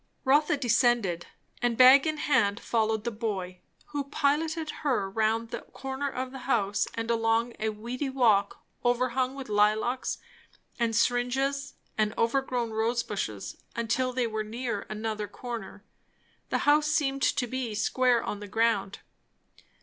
Rotha descended, and bag in hand followed the boy, who piloted her round the corner of the house and along a weedy walk overhung with lilacs and syringas and overgrown rosebushes, until they were near another corner. The house seemed to be square on the ground.